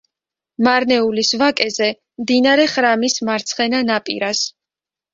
მარნეულის ვაკეზე, მდინარე ხრამის მარცხენა ნაპირას.